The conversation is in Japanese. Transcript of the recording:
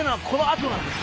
「このあと？」